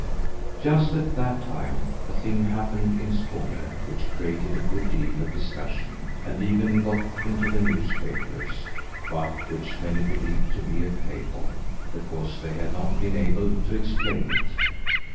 Just at that time a thing happened in Skåne which created a good deal of discussion and even got into the newspapers but which many believed to be a fable, because they had not been able to explain it.